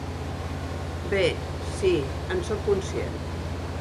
Bé, sí, en soc conscient.